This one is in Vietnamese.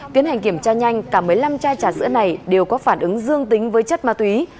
tiến hành kiểm tra nhanh cả một mươi năm chai trà sữa này đều có phản ứng dương tính với chất ma túy